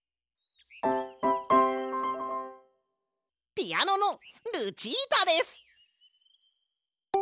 ピアノのルチータです！